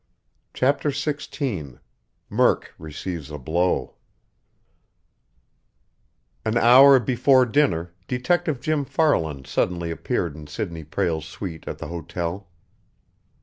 CHAPTER XVI MURK RECEIVES A BLOW An hour before dinner, Detective Jim Farland suddenly appeared in Sidney Prale's suite at the hotel.